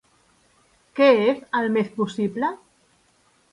Què és, el més possible?